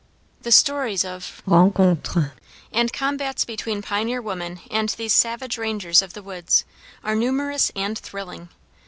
The stories of rencontres and combats between pioneer women and these savage rangers of the woods, are numerous and thrilling.